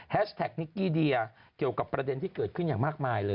แท็กนิกกี้เดียเกี่ยวกับประเด็นที่เกิดขึ้นอย่างมากมายเลย